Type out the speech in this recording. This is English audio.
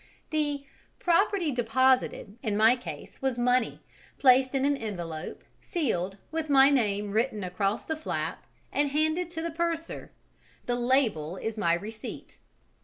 The "property deposited" in my case was money, placed in an envelope, sealed, with my name written across the flap, and handed to the purser; the "label" is my receipt.